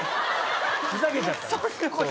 ふざけちゃった。